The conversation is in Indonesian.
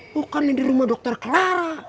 bukan ini di rumah dokter clara